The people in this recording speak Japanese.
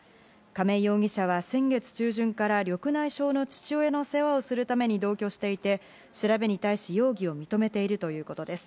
亀井容疑者は先月中旬から緑内障の父親の世話をするために同居していて調べに対し容疑を認めているということです。